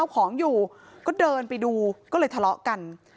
ก็เดินไปดูก็เลยทะเลาะกัน